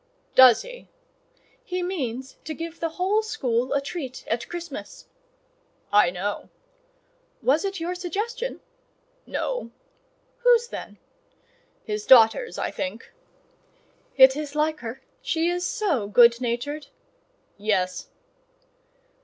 "Does he?" "He means to give the whole school a treat at Christmas." "I know." "Was it your suggestion?" "No." "Whose, then?" "His daughter's, I think." "It is like her: she is so good natured." "Yes."